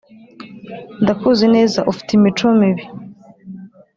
ndakuzi neza ufite imico mibi